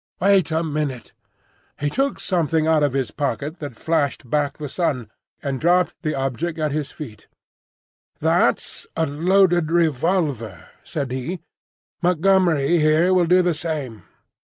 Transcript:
"Wait a minute." He took something out of his pocket that flashed back the sun, and dropped the object at his feet. "That's a loaded revolver," said he. "Montgomery here will do the same.